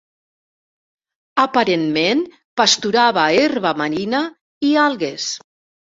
Aparentment pasturava herba marina i algues.